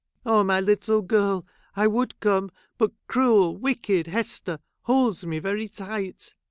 Oh, my little girl ! I would come, but cruel, wicked Hester holds me very tight."